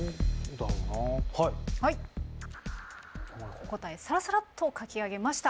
お答えサラサラッと書き上げました。